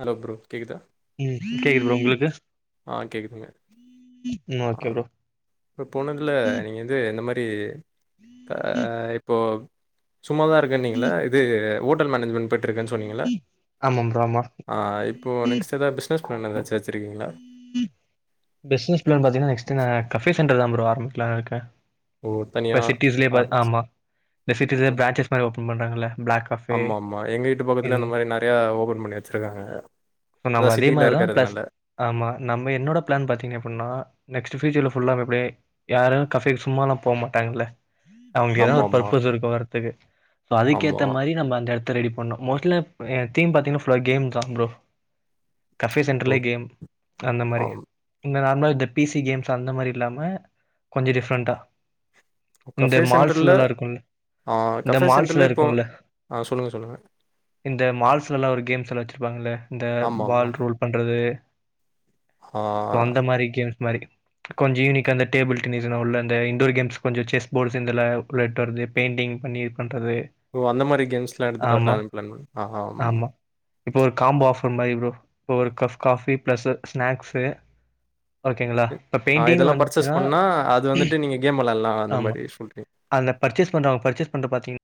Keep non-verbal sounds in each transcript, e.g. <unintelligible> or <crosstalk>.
Hello bro கேக்குதா ம் கேக்குது ப்ரோ உங்ளுக்கு ஆஹ் கேக்குதுங்க ம் ஆ ஓகே ப்ரோ இப்போனதுல நீங்கந்து இந்த மாரி அஹ் இப்போ சும்மாதா இருக்கனீங்ள இது ஒட்டல் மேனேஜ்மெண்ட் பேட்ருக்க சொன்னீங்கள ஆமா ப்ரோ ஆமா இப்போ நெக்ஸ்ட் தாது பிஸ்னஸ் பன்னத ச்சே பிஸ்னஸ் ப்லான் பாத்தீங்கனா நெக்ஸ்ட் சின்னதா கஃபே சென்டர் தா பரோ ஆரபிக்கலாருக்கே ஓ ப தனியா சிட்டிஸ்லே ஆரம்பிச்சு ஆமா இந்த சிட்டிஸ் பிரான்ஜ்சஸ் மாரி ஒப் பன்டகல ஆமாமா எங்க வீட்டு பக்கத்துல இந்த மாரி நறய ஓபன் பண்ணி வச்சிருக்காங்க சோ நம்ம அதா அதே சிட்டில மாரிதா இருக்கற பிளஸ் நல்ல ஆமா நம்ப என்னோட பிளான் பாத்தீங்க அப்டினா நெக்ஸ்ட்டு ஃபியூச்சர்ல ஃபுல்ல ப்படியே யாரு கஃபேக்கு சும்மாலா போமாட்டாங்கல்ல அவுங்க ஏதா ஆமா ஒரு ஆமா பர்பஸ் இருக்கு வரதுக்கு ஆமா அதுக்கேத்த மாரி நம்ம அந்த இடத் த்ரெடி பண்ணு மோஸ்ட்லே எ தீம் பாத்தீங்கனா ஃபுல்லாவே கேம் தா ப்ரோ கஃபே ஓ சென்டர்ல கேம் அந்த மாரி ஆம் இந்த நார்மலா இந்த பிசி கேம்ஸ் அந்த மாரி இல்லாம கொஞ்ச டிஃப்ரெண்ட்டா இந்த கஃபே சென்டர்ல மால்ஸ்லலா இருக்குல ஆ இந்த கஃபே சென்டர்ல மால்ஸ்லா இப்போ இருக்குல்ல ஆ சொல்லுங்க சொல்லுங்க இந்த மால்ஸ்லல்லா ஒரு கேம்ஸ்ல்லா வச்ருப்பாங்கல்ல இந்த ஆமா ஆமா பால் ரோல் பண்றது ஆ சோ அந்த மாரி கேம்ஸ் மாி கொஞ்சம் யனிக்க அந்த டேபிள்டென்னிஸ் உள்ள இண்டோர் கேம்ஸ் கொஞ்சம் செஸ் போர்ட்ஸ் உள்ளட்டு வருது பெயிண்டிங் பண்ணி பண்றது ஓ அந்த மாரி கேம்ஸ் எல்லாம் எடுத்துட்டு ஆமா வரலாம் அப்பளம ஆ ஆமா இப்போ ஒரு காம்போ ஆஃபர் மாதிரி ப்ரோ இப்போ ஒரு கப் காஃபி ப்ளஸ்ஒரு ஸ்நாக்ஸு ஓகேங்களா இப்ப பெயிண்டிங் இதெல்லாம் பர்சேஸ் வந்துச்சுன்னா பண்ணா அது வந்துட்டு நீங்க கேம் வெளாலாம் ஆமா அந்த பர்ச்சேஸ் பண்றாங்க பர்ச்சேஸ் பண்ற பாத்தீங்கா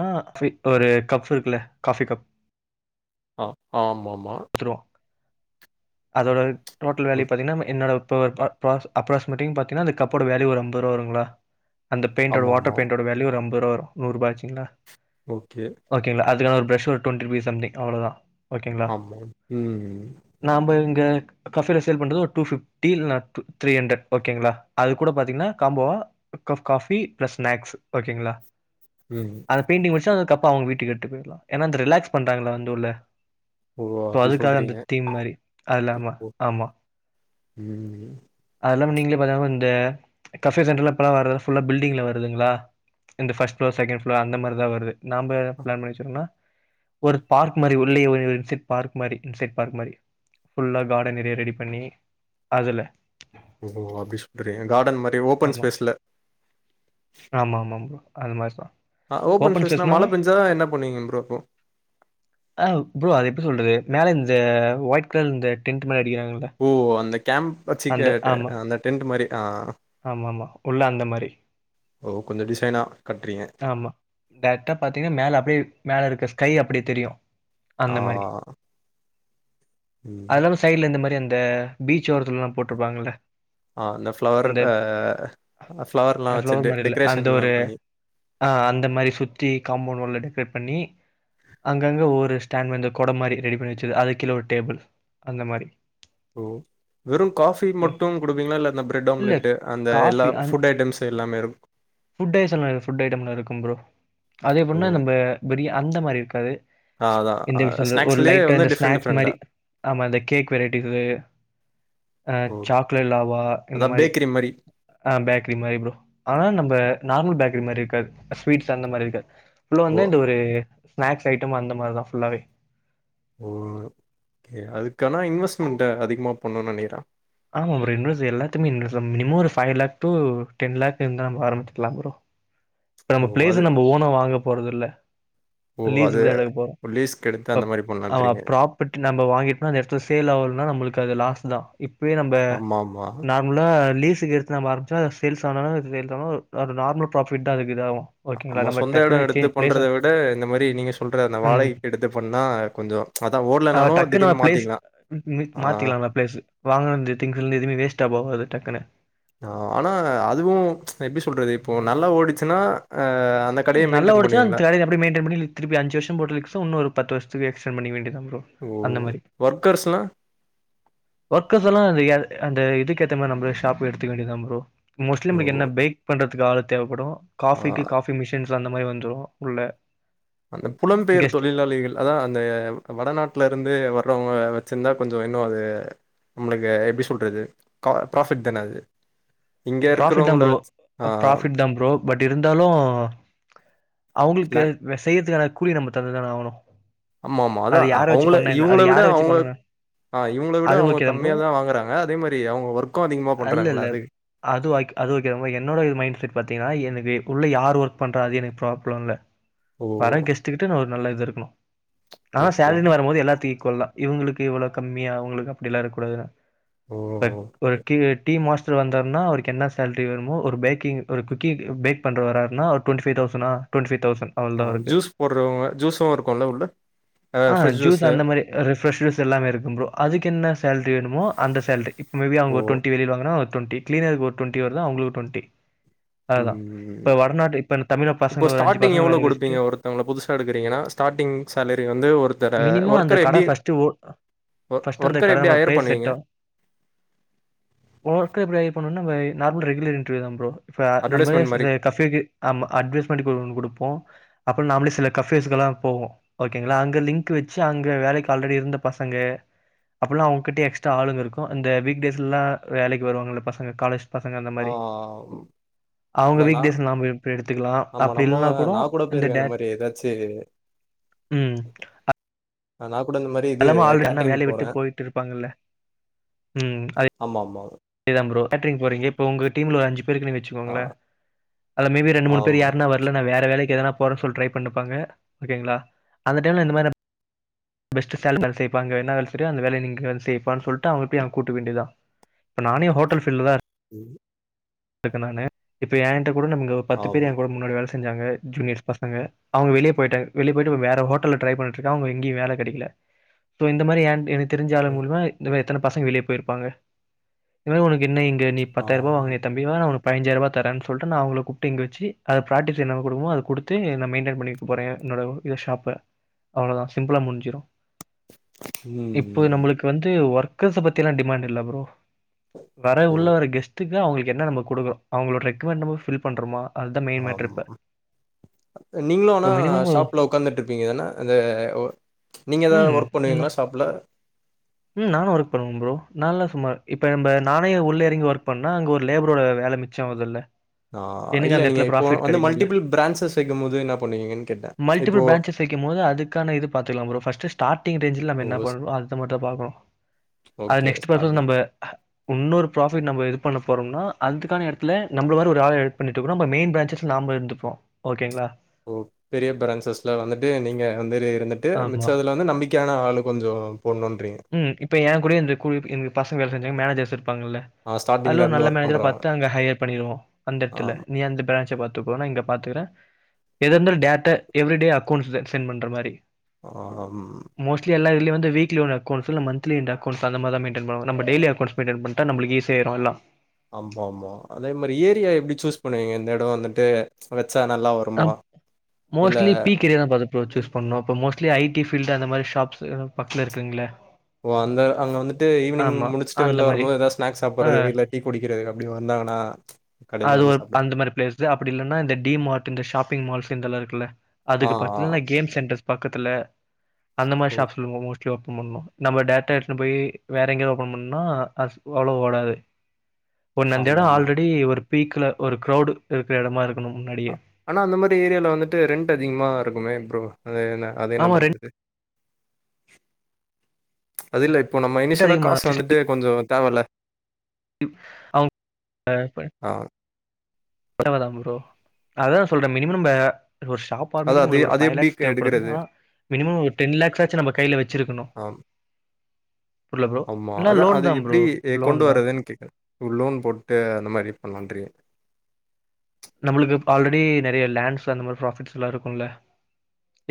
ஆஹ் ஒரு கப் இருக்குல்ல காபி கப் ஆ ஆமா ஆமா ஆ அதுர <inaudible> டோடல் வேல்யூ பாதீங்கா என்னோட இப்போ அப்ராஸ்மேட்டிங் பாத்தீங்கன்னா அந்த கப்போட வேல்யூ ஒருஅம்பது ரூபாவருங்களா அந்த பெய்ண்டோட ஆமாமா. வாடர் பெய்ண்டோட வேல்யூ ரொம்ப வரும் நூறுபா ஆச்சுங்களா ஓகே. ஓகேங்களா அதுக்கான ஒரு பிளஸ் ஒரு டொண்டிருபிஸ் அவ்ளதான் ஓகேங்களா உம் இந்த காபியோட சேல்பண்டறது டூபிப்டி இலனா த்ரிஹன்ரட் ஓகேங்ளா அது கூட பாத்தீங்கனா காம்போவா ஒரு கப் காஃபி பிளஸ் ஸ்னாக்ஸ் ஓகேங்களா ம். பெயிண்டிங் வச்சா கப் அவுங்க வீட்டுக்கு எத்துட்டு போயிடலாம். ஏன்னா வந்து ரிலாக்ஸ் பண்றாங்களா வந்துள்ள ஓ! சோ அப்டி அதுக்காக அந்த சொல்றீங்க. தீம் மாதிரி அதுலாம ஆமா ஆமா உம் அதெல்லாம் நீங்களேபாத்தீங்கன்னா இந்த கஃபே சென்ட்ரலாம்ப்போல்லாம் வறத ஃபுல்ல பில்டிங்கில் வருதுங்களா இந்த ஃபர்ஸ்ட் ஃப்ளோ செகண்ட் ஃப்ளோ அந்த மாதிரி தான் வருது நாம பிளான் பண்ணிச்சோம்னா ஒரு பார்க் மாதிரி உள்ளே இன் சைட் பார்க் மாதிரி இன் சைட் பார்க் மாதிரி ஃபுல்லாக கார்டன் ஏரியா ரெடி பண்ணி அதுல ஓ அப்படி சொல்றீன் கார்டன் மாதிரி ஓபன் ஆமா ஸ்பேஸ்ல அதுமாரின் ஆஹ் ஓபன் ஸ்பேஸ்னா மழை பெஞ்சா என்ன பண்ணுவீங்க ப்ரோ அப்போ ஆ ப்ரோ அது எப்டி சொல்றது மேல இந்த ஒயிட் கலர் இந்த டெண்ட் மே ஓ அந்த கேம் அந்த ஆமா ஆமா ஆமா உள்ள அந்த மாதிரி ஓ! கொஞ்சம் டிசைனா கட்டுறீங்க. ஆமா டேரக்டா பாத்தீங்கன்னா மேல அப்படியே மேல இருக்க ஸ்கை அப்படி தெரியும் ஆஆ அதெல்லாம் சைட்ல இந்த மாதிரி அந்த பீச் ஒரத்தல்லாம் போட்டுருப்பாங்களல ஆ அந்த ஃப்ளவர் அ ஃப்ளவர்லாம் வச்சு இந்தளர் டெ மாதிரி இல் அந்த ஒரு டெக்கரேஷன்லாம் பண்ணி ஆஹ் அந்த மாதிரி சுத்தி காம்பவுண்ட்டய அங்கங்கே ஒரு ஸ்டாண்ட் வந்து குடை மாதிரி ரெடி பண்ணி வச்சுது அது கீழ ஒரு டேபிள் அந்த மாதிரி ஹம் <inaudible> வெறும் காபி மட்டும் குடுப்பீங்களா, இல்ல அந்த பிரெட் இல்ல ஆம்லெட் அந்த எல்லா காஃபி அந் ஃபுட் ஐட்டம்ஸ் எல்லாமே இருக்குமா? புரோ அதே பொண்ண நம்ப பெரியா அந்த மாதிரி இருக்காது அ அதான் இந்த அ சொல்ற ஒரு ஸ்நாக்ஸ்லயே லைட்டா வந்து இந்த டிஃபரெண்ட் ஸ்நாக்ஸ் மாதிரி டிஃபரெண்ட்டா. ஆமா இந்த கேக் வெரைட்டிஸ், ஓ! சாக்லேட் லாவா இந்த அதான் மாதிரி பேக்கரி மாரி. ஆஹ் பேக்கரி மாதிரி ப்ரோ. ஆனா நம்ம நார்மல் பேக்கரி மாரி இருக்காது. ஸ்வீட்ஸ் அந்த மாரி இருக்காது. உள்ள ஓ! வந்த இந்த ஒரு.. ஸ்நாக்ஸ் ஐடம் அந்த மாரிதான் ஃபுல்லாவே ஓ கே அதுக்கானா இன்வெஸ்ட்மெண்ட அதிகமா பண்ணும் நெனக்கிற ஆமா ப்ரோ இன்வெஸ் எல்லாத்தமே இன்வெஸ் மினிமம் ஒரு five lakh to ten lakh இருந்தா நம்ப ஆரம்பச்சிக்கலாம் ப்ரோ இப்ப ஓ! நம்ம பிளேஸ் அது நம்ம ஓன வாங்க போறது இல ஓ! அது லீஸக்கு தான் எடுக்க போறோம் லீஸ்க்கு எடுத்து அந்த மாரி பண்ணலான்றீங்க. ப்ராப்பர்ட்டி நம்ம வாங்கிட்டோனா அந்த இடத்துல சேல் ஆவலனா நம்மளுக்கு அது லாஸ் தான் இப்ப <unintelligible> நம்ம ஆமாமா. நார்மலா லீஸ் எடுத்து ந ஆரிச்ச சேல்ஸ் ஆனால் லத்தாத்தா நார்மல் ப்ராபிட் அதுக்குதாவும் நம்ம சொந்த இடம் எடுத்து பண்றதை விட இந்த மாதிரி நீங்க சொல்ற அந்த ம் வாடகைக்கு எடுத்து பண்ணா கொஞ்சம் அதான் ஓடலனாலும் டக்குனு திடீர்னு பிளேஸ் மாத்திக்கலாம் ஆஹ் மாத்திக்கலாம்ல பிளேஸ் டக்குன்னு ஆனா அதுவும் எப்படி சொல்றது இப்போ நல்லா ஓடிச்சுன்னா அ அந்த கடைய நல்ல மெயின்டெயின் ஓடிச்சுன்னா பண்ணுவீங்களா? அந்த மயின்டைன் பண்ணி திருப்பிஅஞ்ச வருஷ போட்டுன்ன ஒரு பத்து வருஷம் எக்ஸ்ட்டன் பண்ணி மெய்டென் ஓ! அந்த மாரி ஒர்க்கர்ஸ்லாம் ஒர்க்கச்ல்லாம் செய்யாது அந்த இதுக்க ஏத்த மாரி நம்பலே ஷாப் எடுத்துக்க வேண்டியதா ப்ரோ மோஸ்லி ஓ! நம்ம என்ன பேக் பண்றது க்கு ஆளு தேவைப்படும் ஆ காஃபிக்கு காஃபி சோமஷஸ் அந்த மாதிரி வந்துரும் உள்ள அந்த புலம்பெயர் கெஸ்ட் தொழிலாளிகள் அதா அந்த வடநாட்டில இருந்து வர்றவங்க வச்சிருந்தா கொஞ்சம் இன்னும் அது நம்ளுக்கு எப்படி சொல்றது ப்ரா ஃபிட் தான அது இங்க ப்ரோபைட் தான இருக்கிறவங்கள ப்ரோ வச் ஆ ப்ரோபைட் தா ப்ரோ பட் இருந்தாலும் இல்ல அவங்களுக்கு செய்ரதுக்கான கூலி நம்ம தந்துதான ஆகணு ஆமா ஆமா அதா அது யார வச்சு அவங்கள பண்ண என்ன அது இவங்கள விட யார வச்சு அவங்க பண்ண ஆஹ் இவங்கள விட அது அவங்க ஓகே தா ப்ரோ கம்மியாதா வாங்குறாங்க அதே மாரி அவங்க ஒர்க்கும் அதிகமா அல்ல இல்ல பண்றாங்கல்ல அது அது ஓக் அது ஓகே ப்ரோ என்னோட மைண்ட் செட் பாத்தீங்கன்னா எனக்கு உள்ள யார் ஒர்க் பண்றா அது எனக்கு ப்ராப்ளோ இல்ல ஓ! வர கெஸ்டுக்கிட்ட நா ஒரு நல்ல இது இருக்கணு ஆனா ஓகேங்க. சேலரின்னு வரும்போது எல்லாத்தையு கொல்லா இவங்களுக்கு இவ்ளவு கம்மி அவங்களுக்கு அப்டிலா இருக்கக்கூடாதுல ஓ! அ ஒரு okay. Tea tea master வந் தார்னா அவருக்கு என்ன சேலரி வேணுமோ ஒரு பேக்கிங் ஒரு குக்கிங் பேக் பண்ரவர் வரார்ணா ஒரு டுவெண்ட்டி ஃபைவ் தவுசண்ணா டுவெண்ட்டி ஃபைவ் தவுசண்ட் ஆ அவ்ளதா அவருக்கு ஜூஸ் போடுறவங்க ஜூஸும் இருக்கும்ல உள்ள? ஆ ஃப்ரெஷ் ஜூஸ் ஜூஸு. அந்த மாரி ரெஃபிரஷ் ஜூஸ் எல்லாமே இருக்கும் ப்ரோ அதுக்கென்ன சேலரி வேணுமோ அந்த சேலரி இப்ப மேபி ஓ! அவுங்க டுவெண்ட்டி வெளில வாங்குனா ஒரு டுவெண்டி கிளீனர்க்கு ஒரு டுவெண்டி வருதா அவங்களுக்கு டுவெண்டி அதுதா உம் இப்ப வடநாட்டு இப்ப தமிழக இப்போ பசங்க ஒரு அஞ்சு ஸ்டார்ட்டிங் பசங்க எவ்வளவு வேலைக்கு வச்சுட்டு குடுப்பீங்க ஒருத்தவங்க புதுசா எடுக்கறீங்கன்னா ஸ்டார்டிங் சேலரி வந்து ஒருத்தர மினிமம் அந்த ஒர்க்கர் கட எப்டி ஃபர்ஸ்ட் ஓ ஒ ஃபர்ஸ்ட் அந்த ஒர்க்கர் கட எப்டி நம்ம ஹயர் பிளேஸ் பண்ணுவீங்க செட் பண்ணனுனா நம்ம நார்மல் ரெகுலர் இன்டெர்வியூதா ப்ரோ இப்ப நம்பவே அட்வர்டைஸ்மென்ட் ச மாரி. கஃபேக்கு அம் அட்வைஸ்மெண்ட்க்கு ஒன்னு குடுப்போ அப்றோ நாமளே சில கஃபேஸ்கெல்லா போவோ ஓகேங்களா அங்க லிங்க் வச்சு அங்க வேலைக்கு ஆல்ரெடி இருந்த பசங்க அப்டில்லனா அவங்ககிட்ட எக்ஸ்ட்ரா ஆளுங்க இருக்கும் இந்த வீக் டேஸ்லா வேலைக்கி வருவாங்கல்ல பச ங்க காலேஜ் பசங்க அந்த ஆ மாரி அவங்க அதான் நான் வீக்டேஸ் நாம இப்ப எடுத்துக்கலா ஆமா அப்டி நம்ம இல்லனா கூடோ நான் கூட இந்த போயிருக்கேன் மாரி டைரக்ட் ஏதாச்சு உம் அ ஆ நா இல்லாம ஆல்ரெடி யாருனா வேலைய விட்டு போயிட்ருப்பாங்கல்ல உம் அதே ஆமா, ஆமா. தா ப்ரோ கேட்டரிங் போறீங்க இப்போ உங்க டீம்ல ஓரு அஞ்சு பேர் இருக்கீங்கனு ஆ வச்சுக்கோங்களே அதுல மே பி ரெண்டு மூணு ஆம். பேர் யாருனா வரல நா வேற வேலைக்கி எதனா போறேன் சொல்ட்டு ட்ரை பன்னி இருப்பாங்க ஓகேங்களா அந்த டைம்ல இந்த மாரி நா பெஸ்ட் சேலரி தர செய்ப்பா அங்க என்ன வேல செய்யறயோ அந்த வேலய நீ இங்க வந்து செய்ப்பான்னு சொல்ட்டு அவங்கள அப்டியே அங்க கூட்டுக்க வேண்டியதுதா இப்ப நானே ஹோட்டல் ஃபீல்ட்லதா இரு ம் க்க நானு இப்ப ஏன் கிட்ட கூட நமக்கு இங்க பத்து பேர் ஆம். என் கூட முன்னாடி வேல செஞ் சாங்க ஜூனியர்ஸ் பசங்க அவங்க வெளிய போய்ட்டாங்க வெளிய போய்ட்டு வேற ஹோட்டல்ல ட்ரை பண்ணிட்டு இருக்கா அவங்களுக்கு எங்கயு வேல கெடைக்கல சோ இந்த மாரி ஏன் எனக் தெரிஞ்ச ஆளுக ம். மூலியமா இந்த மாரி எத்தன பசங்க வெளிய போயிருப்பாங்க <unintelligible> உனக்கு என்ன இங் க நீ பத்தாய்ருபா ஆம். வாங்கனயி னா உனக்கு பதனஞ்சாயர்ரூபா தரேன்னு சொல்ட்டு நா அவங்கள கூப்ட்டு இங்க வச்சு அது ப்ராக்ட்டிஸ் என்ன குடுக்கணுமோ அத குடுத்து நா மெய்ன்டைன் பண்ணிக்க போறே என்னோட இது ஷாப்ப அவ்ளோதா சிம்பிளா முடிஞ்சிரு இப்போ ம். நம்மளுக்கு வந்து ஒர்க் கர்ஸ பத்தி எல்லா டிமாண்ட் இல்ல ப்ரோ வர ஓ! உள்ள வர கெஸ்ட்டுக்கு அவங்களுக் என்ன நம்ம கொடுக்கோ அவங்களோட ரெக்குமெண்ட்ம் ரோக்குரோம் ஃப்பில் பண்றோமா அதுதா மெயின் ஆம் மேட்ரு இப்ப நீங்களும் ஆனா இப்ப மினிமம் ஷாப்ல உக்காந்துட்டு இருப்பீங்கதேனே ஏனா இந்த நீங்க ஏதாவது ம் ஒர்க் நா பண்ணுவீங்களா ஷாப்ல ம் நானும் ஒர்க் பண்ணுவேன் ஃப்ரோ நான்ல்லாம் சும்மார் இப்ப நம்ம நானே உள்ள இறங்கி ஒர்க் பண்ணனா அங்க ஒரு லேபரோட வேலை மிச்சம் அதுல்ல ஆ எனக்கு இல்ல அந்த நீங்க இப்போ இடத்துலப் வந்து கிடைக்குலம் மல்டிபிள் பிரான்ச்சஸ் வைக்கும்போது என்ன பண்ணுவீங்கன்னு கேட்டேன். இப்போ மல்டிபிள் பிரான்சஸ் வைக்கும்போதுஅதுக்கான இதுபார்த்துகளாம் ஃப்ரோ ஷட்டி ஷ்டேக்டிங்ஸஜீல ஓ! எண்ணபண்ணணுமோ அத மட்டும் பாக்கணும் அது ஓகே நெக்ஸ்ட் பர்பஸ் ஸ்டார்டிங். நம்ம இன்னொரு பராஃபிட் நம்ம இது பண்ண போறோம்னா அதுக்கான இடத்து நம்மள வ ஒரு ஆ எடு பண்ணிட்டுக்க மெயின் பிரான்சஸ்ல நாம இருப்போம் ஓகேங்களா ஓ பெரிய பிரசஸ்ல வந்துட்டு நீங்க வந்து இருந்துட்டு ஆமா. மிச்சதுல வந்து நம்பிக்கையான ஆள் கொஞ்சம் போணும் உம் இப்ப ஏன் கூட இந்த என பசங்க வேலைஞ்ச எங்க மேஜர் சார் இருப்பாங்கல ஆ அது ஸ்டார்ட்டிங்ல ஒரு இருந்து நல்ல ஒர்க் மேனேஜரா பண்றவங்க. பார்த்த அங்க ஹையர் பண்ணிவோம் அந்த ஆ இடத்துல நீ அந்த பிரான்ச பார்த்து போனா இங்க பார்த்துக்கிறேன் எதந்த டேரேட்டா எவரிடே அக்கௌண்ட் சென்ட் பண்ற மாரி ஆஹம் வீக்லி வந்து வீக் வீக்லி ஒரு அக்கோன்ஸ் இல்ல மான்த்லி எண்டு அக்கௌன்ஸ் அந்த மாரி தான் மேய்டன் பண்ணணும்இல்ல டேய்லி நளுக்கு ஸிய ஆயிரும்ல்லாம் ஆமா ஆமா அதே மாரி ஏரியா எப்படி சூஸ் பண்ணுவீங்க இந்த இடம் வந்துட்டு வச்சா நல்லா வருமா? இல்ல மோஸ்ட்லி பி கேரியர்ன் சூஸ் பண்ண மோஸலி ஐ டி பீல்டு அந்த மாதிரி ஷாப்ஸ் பக்கத்துல இருக்குங்குளே ஓ அந்த அங்க வந்துட்டு ஈவினிங் முடிச்சுட்டு அந்த வெளில மாரி வரும்போது எதாவது ஸ்நாக்ஸ் ஆ சாப்பிடுறது இல்ல டீ குடிக்கிறது அப்படி வந்தாங்கன்னா கடையில அது வந்து ஒரு சாப்பிடுவே அந்த மாரி பிளேஸ் அப்படி இல்லன்னா இந்த டி மார்ட் இந்த ஷாப்பிங் மால்ஸ் இந்தஎல்லாம் இருக்குல்ல அதுக்கு ஆ. பத்த கேம்ஸ் சேன்டரெஸ்ட் பக்கத்துல அந்த ஓ மாரிஷாப்மேஸ் ஓபன் பண்ணும் நம்மா டேரேட்டா எடுத்துட்டு போய் வேற எங்கேயும் ஓபன் பண்ணம்னா அ அவ்வளவு ஓடாது ஒண்ண அந்த இடம் ஆமாமா. ஆல்ரெடி ஒரு ஸ்பீக்ல ஒரு கிரவுடு இருக்கிற இடமா இருக்கணும் முன்னாடியே ஆனால் அந்த மாரி ஏரியாவில் வந்துட்டு ரெண்டுட் அதிகமாக இருக்குமே ஃப்ரோ அது என்ன அது என்ன ஆமா பண்றது அதிலலேட் இப்போ நம்ம இனிஷியலா காசு வந்துட்டு கொஞ்சம் தாவல்ல ப் அவங்க ஆ பரவல்ல ஃப்ரோ அதா சொல்றே மினிமம் நம்ப ஒரு ஷாப் அதான் அது ஆரம்பிக்க ஒரு அது பைவ் எப்படி லக்ஸ் க எடுக்கறது? தேவப்படுதுனா மினிமம் ஒரு டென் லேக்ஸ்சாசி நம்ம கையில வச்சிருக்கணு ஆம். புரில ப்ரோ ஆமா எல்லா அதா லோன் அது தா ப்ரோ எப்டி லோன் கொண்டு தா வர்றதுனு கேக்ரே லோன் போ ட்டு அந்த மாரி பண்ணலன்றி நம்மளுக்கு ஆல்ரெடி நிறைய லேண்ஸ் அந்த மாரி பராஃபிட்ஸ் எல்லா இருக்குல்ல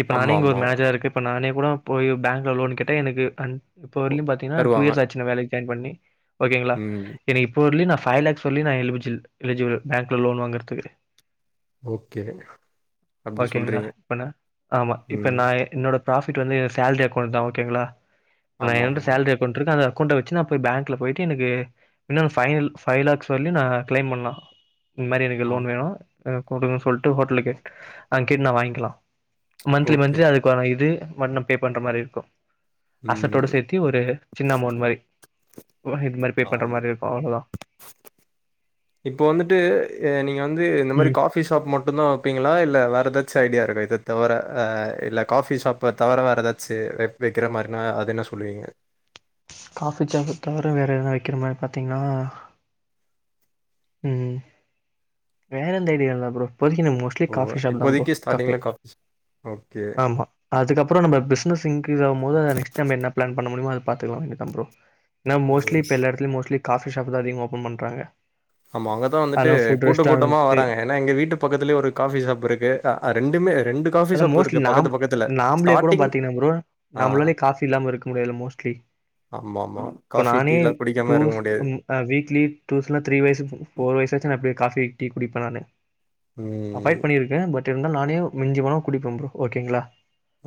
இப்ப நானே இங்க ஒரு ஆமாமா. மேஜ இருக்கு இப்ப நானே கூட போய் பேங்க்ல லோன் கேட்ட எனக்கு அன் இப்ப ஒ வரிலி பாத்தீனா டூ தருவாங்க. இயர்ஸ் அச்சி இந்த வேலைக் ஜாயின் பண்ணி ஓகேங்களா ம். எனக்கு இப்போர்லி நா ஃபை லேக் சொல்லி நா எலிபுஜல் எலிஜிபுல் பேங்கல லோன் வாங்கற த்துக்கு ஓகே. அப்படி ஓகேங்களா சொல்றீங்க. இப்பனா ஆமா இப்ப ம். நா என்னோட ஃபிராபிட் வந்து சேல்ரி அக்கோன் தா ஓகேங்களா நா என்து ஆமாமா. சேல்ரி அக்கோன்றுதா அத கொண்ட வச்சி நா போய் பேங்ல போய்டு எனக்கு இன்னம் பைனல் ஃபைலாக்ஸ் வர்லியு நா கிளைம் பண்லா இந் இங்க ஆம். லோன் வேணு அ குடுங்க சொல்ட்டு ஹோட்டலுக்கே அங்கேட் நா வாங்கிலா மந்த்லி ஓகே. மந்த்லி அதுக்கான இது மன்னுப் பே பண்ற மாரி இருக்கு அசட்டோட ம். சேத்தி ஒரு சின்ன அமோன் மாரி இது மாரி பே பண்ற ஆம் மாரி இருக்கு அவ்ளோதா இப்போ வந்துட்டு நீங்க வந் வந்து இந்த மாரி ம் காஃபி ஷாப் மட்டுந்தா வெப்பீங்களா இல்ல வேற ஏதாச்சி அய் டியா இருக்கா இத தவற அ இல்ல காஃபி ஷாப் தவற வேர ஏதாச்சி வெப் வெக்ரமாரினா அது என்ன சொல்வீங்க காஃபி ஷாப்ப தவர வேற எதனா வெக்கனுமா பாத்தீங்கன்னா உம் வேறந்த ஐடியல்ல புரோ இப்போதிக்கு நா மோஸ்லி ஓ காஃபி ஷாப்தா ப்ரோ இப்போதைக்கு காப்ஃபே ஸ்டார்ட்டிங்ல காஃபி ஓகே. ஆமா அதுக்கப் அப்ற நம்ம பிஸ்னஸ் இங்கிரீஸ் ஆவும் போது நெக்ஸ்ட் நம் என்ன பிளான் பண்ண முடிமோ அத பாத்துகலா எனு டைம் ப்ரோ நா ஓ மோஸ்லி இப்ப எல்லா எடதுலயு மோஸ்லி காஃபி ஷாப் தா அதிகமா ஓப்பன் பண்றாங்க ஆமா அங்கதா வந்துட்டு அதெல்லாம் ஃபுட் கூட்ட கூட்டமா ரெஸ்டாரண்ட் வராங்க ஏன்னா எங்க வீட்டு பக்கத்துலயே ஒரு காஃபி ஷாப் இருக்கு ரெண்டுமே அத மோஸ்ட்லி நாம் நாம்ளே கூட ஸ்டார்ட்டிங் பாத்தீங்னா ப்ரோ ஆ நம்ளாலே காஃபி இல்லாம இருக்க முடியாதுல மோஸ்ட்லி ஆமாமா. ஆமா. இப்ப காஃபி, நானே டீலாம் குடிக்காம இருக்க டூர்ஸ் முடியாது. வீக்ளீ டூர்ஸ்ல த்ரீ வயசு ஃபோர் வயசு ஆச்சினா அப்டியே காஃபி டீ குடிப்ப நானு அஃபய்ட் ம். பண்ணியிருக்கே பட் டு இருந்தாலு நானே மிஞ்சு போன குடிப்போம் ஃப்ரோ ஓகேங்களா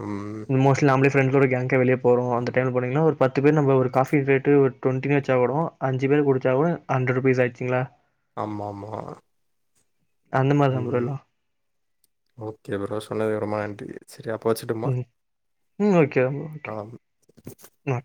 ம். மோஸ்லி நாம்பளே ஃப்ரெண்ட்ஸட கேங்கே வெளிய போறோ அந்த டைம் போனீங்கன்னா ஒரு பத்து பேர் நம்ம ஒரு காபி ரேட்டு ஒரு டுவண்ட்டின்னு வச்சா கூட அஞ்சு பேர் குடிச்சா கூட ஹண்டர்ருபீஸ் ஆகிச்சுங்களா ஆமா ஆமா அந்த மாரி தாம் ஃப்ரோ எல்லாம் எவரோ சொன்னது அப்பரமா ஆண்டி சரியா உம் உம் ஓகே ஓகே ஆமா. ஆ